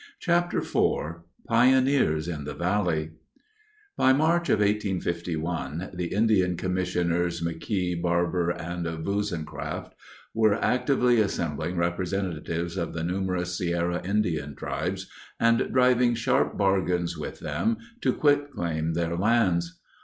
CHAPTER IV PIONEERS IN THE VALLEY By March of 1851 the Indian Commissioners McKee, Barbour, and Woozencraft were actively assembling representatives of the numerous Sierra Indian tribes and driving sharp bargains with them to quitclaim their lands.